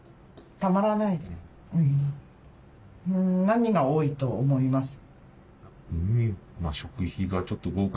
何が多いと思います？